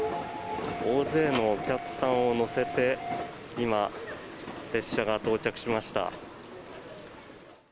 大勢のお客さんを乗せて今、列車が到着しました。